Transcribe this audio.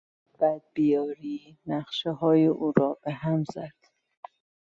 بدبیاری نقشههای او را به هم زد.